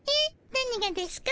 何がですか？